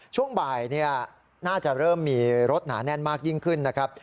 ช่วงบ่ายน่าจะเริ่มมีรถหนาแน่นมากยิ่งขึ้นนะครับ